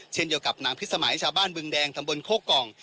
เช่นเดียวกับงานพิศสมัยชาบ้านเบื้องแดงถังบนโครคกร่อง